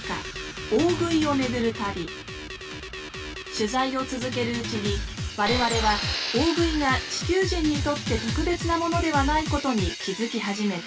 取材を続けるうちに我々はオオグイが地球人にとって特別なものではないことに気付き始めた。